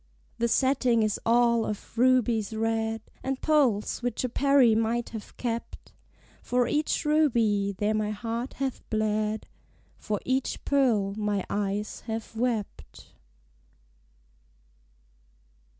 The setting is all of rubies red, And pearls which a Peri might have kept. For each ruby there my heart hath bled: For each pearl my eyes have wept.